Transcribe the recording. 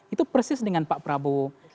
itu persis dengan pak prabowo